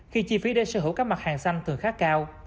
khi chi phí để sở hữu các mặt hàng xanh thường khá cao